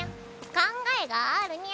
考えがあるニャ。